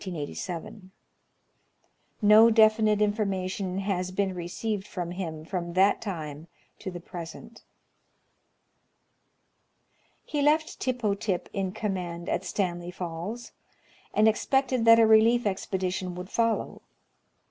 No definite information has been received from him from that time to the present. He le^ Tippo Tip in command at Stanley Falls, and expected that a relief expedition would follow.